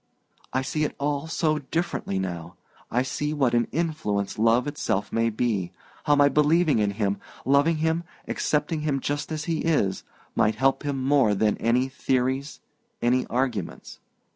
"I see it all so differently now. I see what an influence love itself may be how my believing in him, loving him, accepting him just as he is, might help him more than any theories, any arguments.